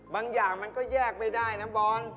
บางอย่างมันก็แยกไม่ได้นะบอล